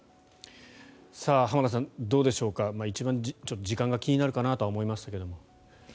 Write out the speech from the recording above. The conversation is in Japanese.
浜田さん、どうでしょう一番時間が気になるかなと思いましたけれど。